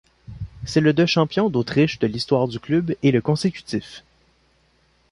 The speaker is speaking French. C'est le de champion d'Autriche de l'histoire du club et le consécutif.